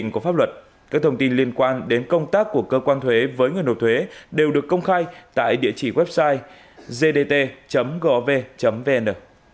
các thông tin liên quan đến công tác của cơ quan thuế với người nộp thuế đều được công khai tại địa chỉ website gdt gov vn